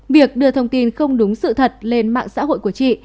việc đưa thông tin không đúng sự thật lên mạng xã hội của chị